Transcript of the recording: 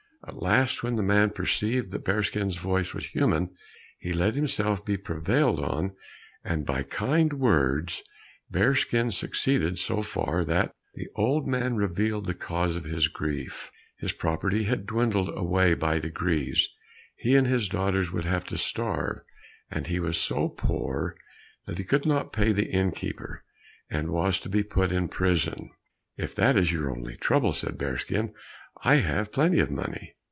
At last when the man perceived that Bearskin's voice was human he let himself be prevailed on, and by kind words bearskin succeeded so far that the old man revealed the cause of his grief. His property had dwindled away by degrees, he and his daughters would have to starve, and he was so poor that he could not pay the innkeeper, and was to be put in prison. "If that is your only trouble," said Bearskin, "I have plenty of money."